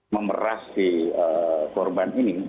memerasi korban ini